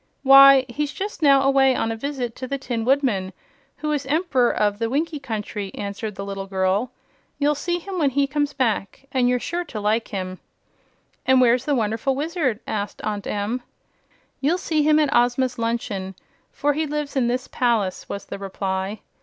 "Why, he's just now away on a visit to the Tin Woodman, who is Emp'ror of the Winkie Country," answered the little girl. "You'll see him when he comes back, and you're sure to like him." "And where's the Wonderful Wizard?" asked Aunt Em. "You'll see him at Ozma's luncheon, for he lives here in this palace," was the reply.